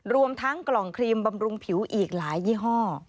รวมทั้งกล่องครีมบำรุงผิวอีกหลายยี่ห้อ